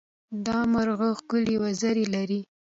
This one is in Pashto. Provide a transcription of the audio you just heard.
دا مرغه ښکلې وزرې لري.